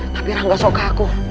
tapi rangga soka aku